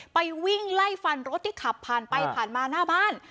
วิ่งไล่ฟันรถที่ขับผ่านไปผ่านมาหน้าบ้าน